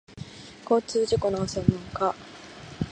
交通事故の専門家